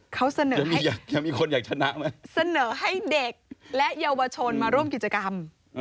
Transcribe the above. เขาเสนอให้เสนอให้เด็กและเยาวชนมาร่วมกิจกรรม